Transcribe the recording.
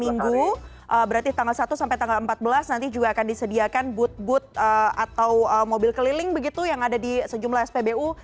minggu berarti tanggal satu sampai tanggal empat belas nanti juga akan disediakan booth booth atau mobil keliling begitu yang ada di sejumlah spbu